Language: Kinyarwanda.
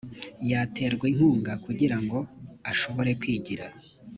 yaterwa inkunga kugira ngo ashobore kwigira